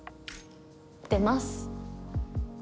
出ます！